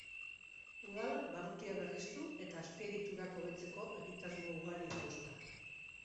Udalak barrutia berriztu eta azpiegiturak hobetzeko egitasmo ugari dauzka.